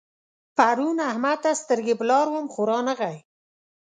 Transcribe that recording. پرون احمد ته سترګې پر لار وم خو نه راغی.